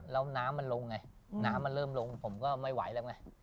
แล้วน้ำมันลงไงน้ำมันเริ่มลงผมก็ไม่ไหวแล้วไง